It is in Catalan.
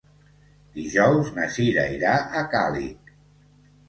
Dijous na Sira irà a Càlig.